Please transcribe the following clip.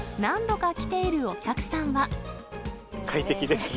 快適ですね。